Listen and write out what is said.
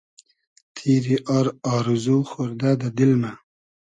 تیری آر آرزو خۉردۂ دۂ دیل مۂ